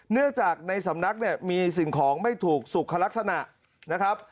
เนื่องจากในสำนักเนี่ยมีสิ่งของไม่ถูกสุขลักษณะนะครับ